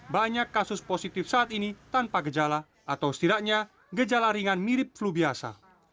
banyak kasus positif saat ini tanpa gejala atau setidaknya gejala ringan mirip flu biasa